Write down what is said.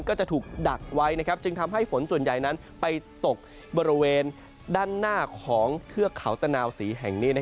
ก็จะถูกดักไว้จึงทำให้ฝนส่วนใหญ่นั้นไปตกบริเวณด้านหน้าของเทือกเขาตะนาวศรีแห่งนี้